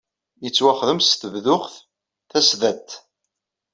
Yettwaxdem s tebduɣt tasdadt.